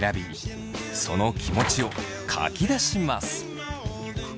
その気持ちを書き出します。